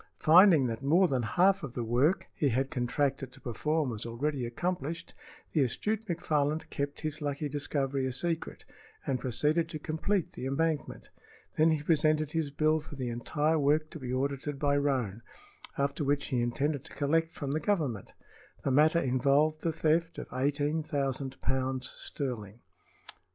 Finding that more than half of the work he had contracted to perform was already accomplished, the astute McFarland kept his lucky discovery a secret and proceeded to complete the embankment. Then he presented his bill for the entire work to be audited by Roane, after which he intended to collect from the Government. The matter involved the theft of eighteen thousand pounds sterling.